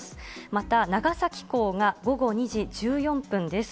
また長崎港が午後２時１４分です。